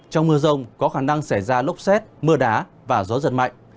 trong mưa rông có khả năng xảy ra lốc xét mưa đá và gió giật mạnh